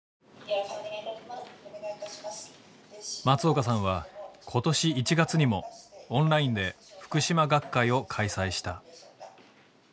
松岡さんは今年１月にもオンラインでふくしま学会を開催した。